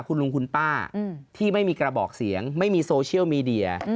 คุณลุงคุณป้าที่ไม่มีกระบอกเสียงไม่มีโซเชียลมีเดีย